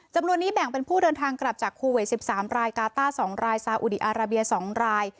จำนวนนี้แบ่งเป็นผู้เดินทางกลับจากคูเวสสิบสามรายกาต้าสองรายสาอุดีอาราเบียสองราย